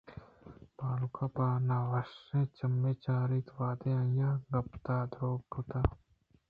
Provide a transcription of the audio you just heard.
بانک ءَ پہ نہ وشیں چمّے ءَچاراِت وہدے آئیءَ گپ تہا دور کُت